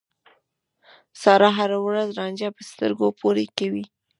سارا هر ورځ رانجه په سترګو پورې کوي.